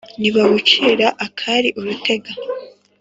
ntibawucira akari urutega